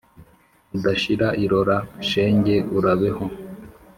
Mudashira irora, shenge urabeho